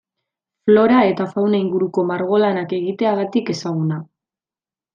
Flora eta fauna inguruko margolanak egiteagatik ezaguna.